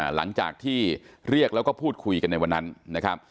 หลังจากที่เรียกแล้วก็พูดคุยกันในวันนั้นนะครับ